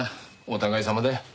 お互いさまだよ。